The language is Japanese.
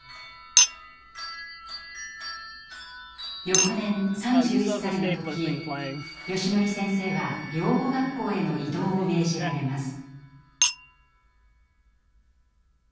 翌年３１歳の時よしのり先生は養護学校への異動を命じられます。